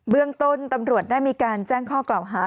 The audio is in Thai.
เรื่องต้นตำรวจได้มีการแจ้งข้อกล่าวหา